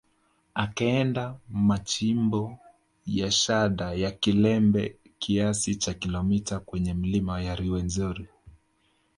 Akaenda machimbo ya shaba ya Kilembe kiasi cha kilometa kwenye milima ya Ruwenzori